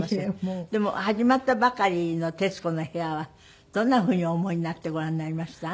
でも始まったばかりの『徹子の部屋』はどんなふうにお思いになってご覧になりました？